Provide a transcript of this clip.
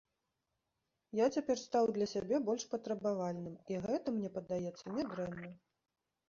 Я цяпер стаў для сябе больш патрабавальным і гэта, мне падаецца, не дрэнна.